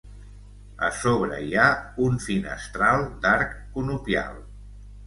A sobre hi ha un finestral d'arc conopial.